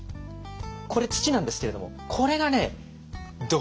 これ土なんですけれどもこれがね土壇場。